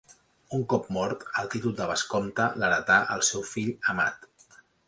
Un cop mort el títol de vescomte l'heretà el seu fill Amat.